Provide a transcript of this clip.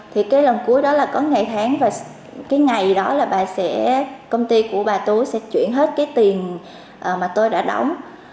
thì cái lần cuối đó là có ngày tháng và cái ngày đó là công ty của bà tú sẽ chuyển hết cái tiền mà tôi đã đóng